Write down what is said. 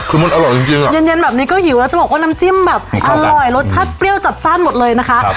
อร่อยหรือจะแล้วบอกว่าน้ำจิ้มแบบอร่อยแล้วรสชาติเปรี้ยวจับจะ้นหมดเลยนะคะ